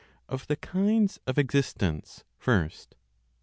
Of the Kinds of Existence, First.